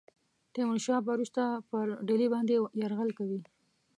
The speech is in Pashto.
تیمور شاه به وروسته پر ډهلي باندي یرغل کوي.